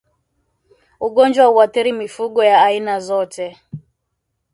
Ugonjwa huathiri mifugo ya aina zote